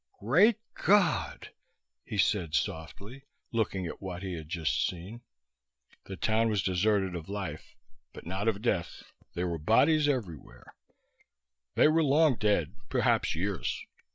"Great God," he said softly, looking at what he had just seen. The town was deserted of life, but not of death. There were bodies everywhere. They were long dead, perhaps years.